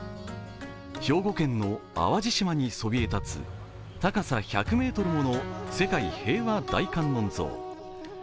兵庫県の淡路島にそびえ立つ高さ１００ｍもの世界平和大観音像。